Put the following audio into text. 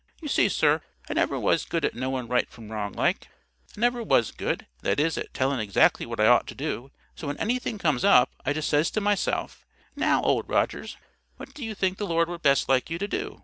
You see, sir, I never was good at knowin' right from wrong like. I never was good, that is, at tellin' exactly what I ought to do. So when anything comes up, I just says to myself, 'Now, Old Rogers, what do you think the Lord would best like you to do?